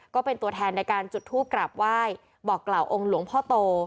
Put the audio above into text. ก็เป็นตัวแทนในการจุดทูปกราบไหว้บอกกล่าวองค์หลวงพ่อโต